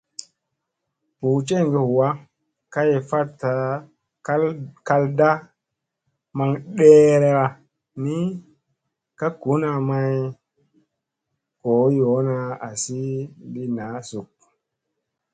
Buu njege ɦuwa ,kay fatta kal nda maŋ deera ni ,ka guna may, go yoona azi li naa zuk.